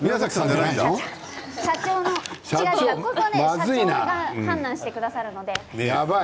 社長が判断してくださいますので。